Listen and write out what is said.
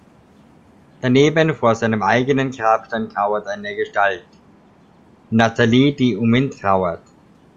Daneben, vor seinem eigenen Grabstein, kauert eine Gestalt: Natalie, die um ihn trauert.